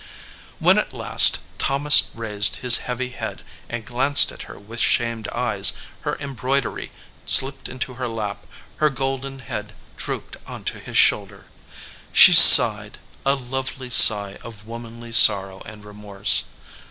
When at last Thomas raised his heavy head and glanced at her with shamed eyes, her embroidery slipped into her lap, her golden head drooped onto his shoulder. She sighed, a lovely sigh of womanly sorrow and remorse.